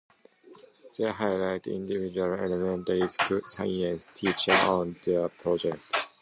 They highlighted individual elementary science teachers and their projects.